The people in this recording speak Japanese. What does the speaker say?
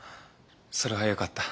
それはよかった。